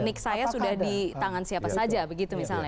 nik saya sudah di tangan siapa saja begitu misalnya